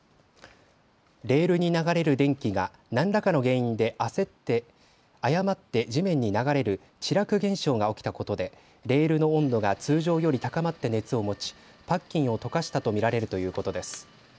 レールに流れる電気が何らかの原因で誤って地面に流れる地絡現象が起きたことでレールの温度が通常より高まって熱を持ちパッキンを溶かしたと見られるということです。